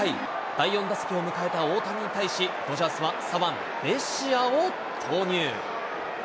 第４打席を迎えた大谷に対し、ドジャースは左腕、ベシアを投入。